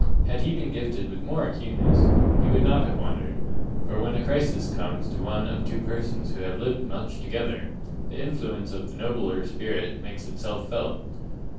Had he been gifted with more acuteness, he would not have wondered; for when a crisis comes to one of two persons who have lived much together, the influence of the nobler spirit makes itself felt.